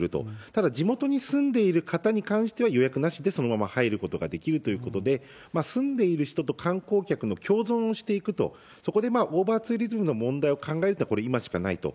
ただ、地元に住んでいる方に関しては、予約なしで入ることができるということで、住んでいる人と観光客の共存していくと、そこでオーバーツーリズムの問題を考えたら、これ、今しかないと。